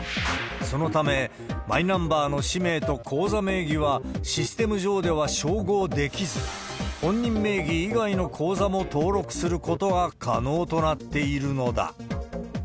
そのため、マイナンバーの氏名と口座名義はシステム上では照合できず、本人名義以外の口座も登録することが可能となっているのだ。